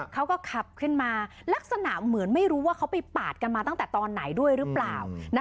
เขาก็ขับขึ้นมาลักษณะเหมือนไม่รู้ว่าเขาไปปาดกันมาตั้งแต่ตอนไหนด้วยหรือเปล่า